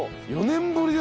４年ぶり！